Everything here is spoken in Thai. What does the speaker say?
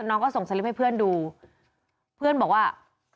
น้องก็ส่งสลิปให้เพื่อนดูเพื่อนบอกว่า